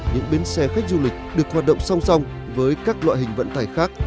những bến xe khách du lịch được hoạt động song song với các loại hình vận tải khác